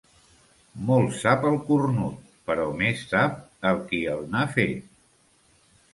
Molt sap el cornut, però més sap el qui el n'ha fet.